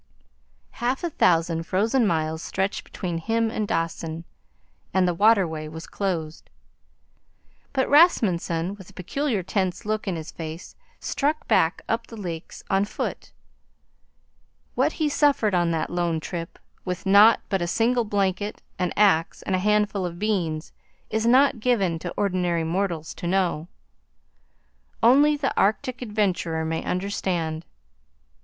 Half a thousand frozen miles stretched between him and Dawson, and the waterway was closed. But Rasmunsen, with a peculiar tense look in his face, struck back up the lakes on foot. What he suffered on that lone trip, with nought but a single blanket, an axe, and a handful of beans, is not given to ordinary mortals to know. Only the Arctic adventurer may understand.